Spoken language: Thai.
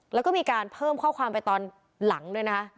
แล้วก็มีการเพิ่มข้อความไปตอนหลังด้วยนะคะ